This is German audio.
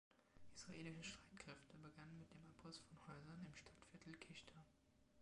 Israelische Streitkräfte begannen mit dem Abriss von Häusern im Stadtviertel Qishta.